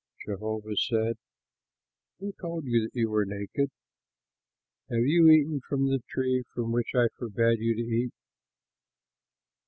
Jehovah said, "Who told you that you were naked? Have you eaten from the tree from which I forbade you to eat?"